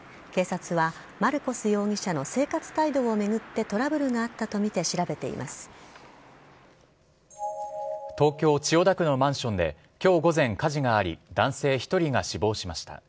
警察はマルコス容疑者の生活態度を巡ってトラブルがあったとみて東京・千代田区のマンションで今日午前、火事があり男性１人が死亡しました。